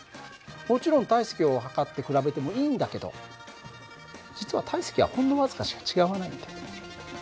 もちろん体積を測って比べてもいいんだけど実は体積はほんの僅かしか違わないんだよ。